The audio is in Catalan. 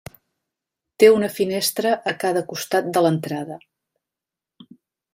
Té una finestra a cada costat de l'entrada.